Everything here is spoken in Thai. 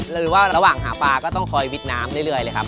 หรือว่าระหว่างหาปลาก็ต้องคอยวิทย์น้ำเรื่อยเลยครับ